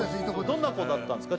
どんな子だったんですか